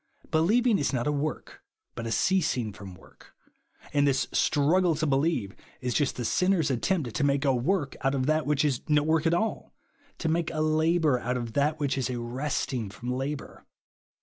Believing is not a work, but a ceasing from work ; and this struggle to believe, is just the sin ner's attempt to make a luork out of that which is no work at all, to make a labour out of that which is a resting from labour.